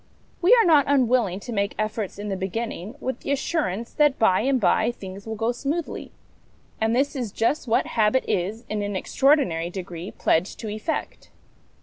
We are not unwilling to make efforts in the beginning with the assurance that by and by things will go smoothly ; and this is just what habit is, in an extraordinary degree, pledged to effect.